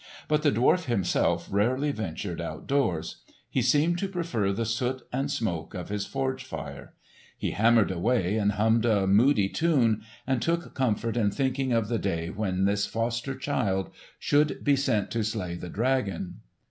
But the dwarf himself rarely ventured outdoors. He seemed to prefer the soot and smoke of his forge fire. He hammered away, and hummed a moody tune, and took comfort in thinking of the day when this foster child should be sent to slay the dragon.